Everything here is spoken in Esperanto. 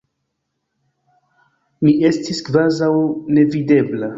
Mi estis kvazaŭ nevidebla.